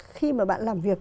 khi mà bạn làm việc